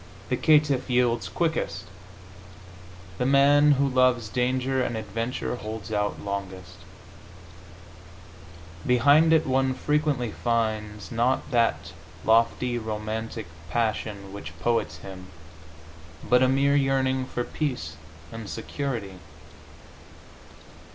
The caitiff yields quickest; the man who loves danger and adventure holds out longest. Behind it one frequently finds, not that lofty romantic passion which poets hymn, but a mere yearning for peace and security.